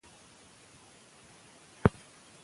هر انسان حق لري چې په پوره امن او سکون کې ژوند وکړي.